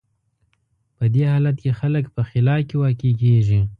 په دې حالت کې خلک په خلا کې واقع کېږي.